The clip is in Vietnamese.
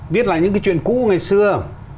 viết lại những cái chuyện cũ ngày xưa